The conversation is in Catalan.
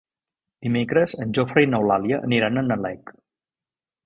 Dimecres en Jofre i n'Eulàlia aniran a Nalec.